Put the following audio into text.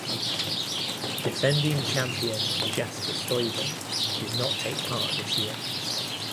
Defending champion Jasper Stuyven did not take part this year.